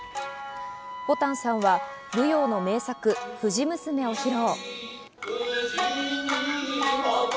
ぼたんさんは舞踊の名作『藤娘』を披露。